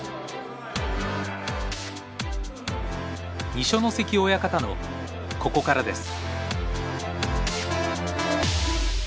二所ノ関親方のここからです。